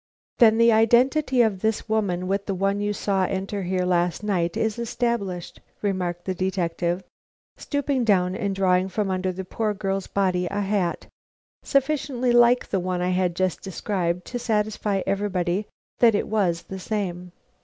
"Then the identity of this woman with the one you saw enter here last night is established," remarked the detective, stooping down and drawing from under the poor girl's body a hat, sufficiently like the one I had just described, to satisfy everybody that it was the same.